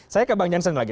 saya ke bang jansen lagi